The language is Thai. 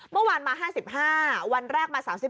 เมื่อวานมา๕๕พรรษาวันแรก๓๑